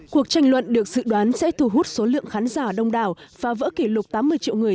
cuộc tranh luận được dự đoán sẽ thu hút số lượng khán giả đông đảo phá vỡ kỷ lục tám mươi triệu người